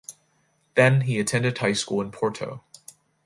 Then he attended high school in Porto.